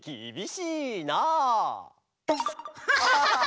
アハハハハ！